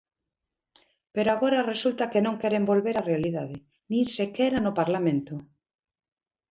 Pero agora resulta que non queren volver á realidade, nin sequera no Parlamento.